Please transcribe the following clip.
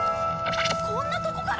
こんなとこから！？